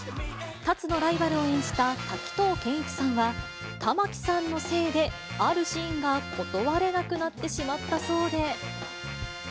龍のライバルを演じた滝藤賢一さんは、玉木さんのせいで、あるシーンが断れなくなってしまったそうで。